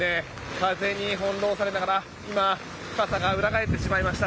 風に翻ろうされながら今、傘が裏返ってしまいました。